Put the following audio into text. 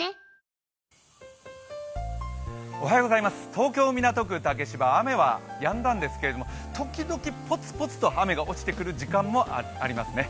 東京・港区竹芝は雨はやんだんですけれども時々ポツポツと雨が落ちてくる時間もありますね。